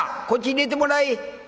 こっち入れてもらい」。